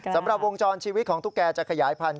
สำหรับวงจรชีวิตของตุ๊กแกจะขยายพันธุ